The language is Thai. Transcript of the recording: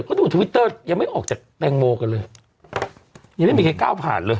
ก็ดูทวิตเตอร์ยังไม่ออกจากแตงโมกันเลยยังไม่มีใครก้าวผ่านเลย